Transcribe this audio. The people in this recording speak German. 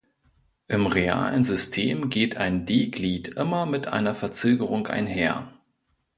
Im realen System geht ein D-Glied immer mit einer Verzögerung einher.